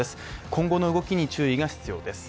今後の動きに注意が必要です。